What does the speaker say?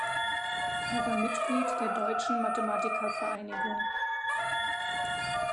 Er war Mitglied der Deutschen Mathematiker-Vereinigung.